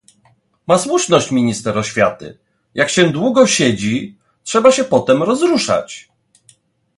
"Ma słuszność minister oświaty: jak się długo siedzi, trzeba się potem rozruszać."